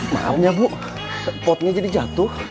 maaf ya bu spotnya jadi jatuh